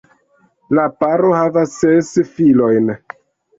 La paro havas ses filojn.